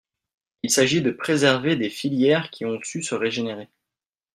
Il s’agit de préserver des filières qui ont su se régénérer.